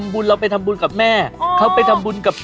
อาะก็ไปทำบุญกับแม่เข้าไปทำบุญกับพ่อ